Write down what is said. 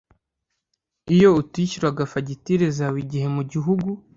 iyo utishyuraga fagitire zawe igihe mu gihugu